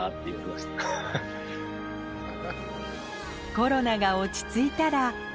コロナが落ち着いたら・うわ！